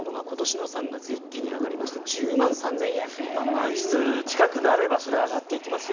満室近くなればそれは上がっていきますよ。